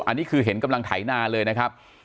อันนี้คือเห็นกำลังไถนาเลยนะครับ